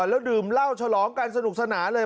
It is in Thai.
แล้วดื่มเหล้าฉลองกันสนุกสนานเลย